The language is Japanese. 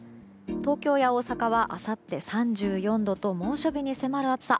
東京や大阪はあさって３４度と猛暑日に迫る暑さ。